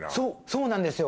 そうなんですよ。